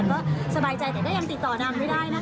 ก็สบายใจแต่ก็ยังติดต่อนางไม่ได้นะคะ